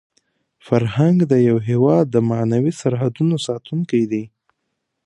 فرهنګ د یو هېواد د معنوي سرحدونو ساتونکی دی.